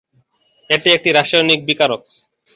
এটি একটি রাসায়নিক বিকারক।